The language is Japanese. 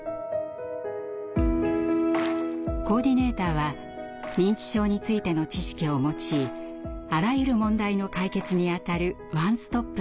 コーディネーターは認知症についての知識を持ちあらゆる問題の解決に当たるワンストップの相談窓口。